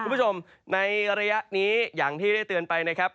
คุณผู้ชมในระยะนี้อย่างที่ได้เตือนไปนะครับ